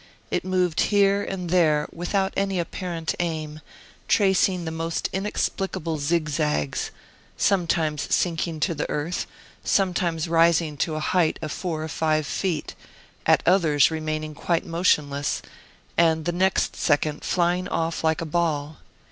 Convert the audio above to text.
It moved here and there without any apparent aim, tracing the most inexplicable zigzags, sometimes sinking to the earth, sometimes rising to a height of four or five feet, at others remaining quite motionless, and the next second flying off like a ball.